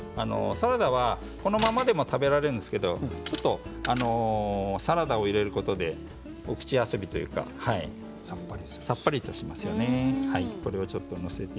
サラダは、このままでも食べられるんですけどサラダを入れることでお口遊びというかさっぱりしますよね。